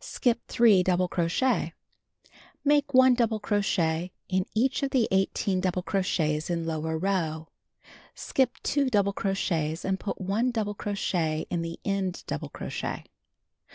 Skip 3 double crochet, Make 1 double crochet in each of 18 double crochets in lower row. 2 double crochets and put 1 double crochet in the end double crochet.